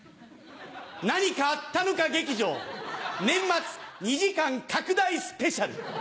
何かあったのか劇場、年末２時間拡大スペシャル。